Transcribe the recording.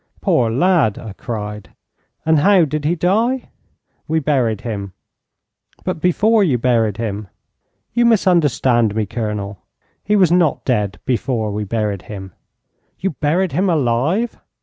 'Poor lad!' I cried. 'And how did he die?' 'We buried him.' 'But before you buried him?' 'You misunderstand me, Colonel. He was not dead before we buried him.' 'You buried him alive!'